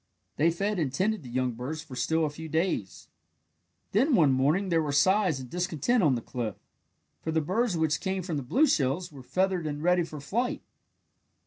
They fed and tended the young birds for still a few days. Then one morning there were sighs and discontent on the cliff. For the birds which came from the blue shells were feathered and ready for flight.